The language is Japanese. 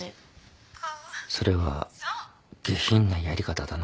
それは下品なやり方だな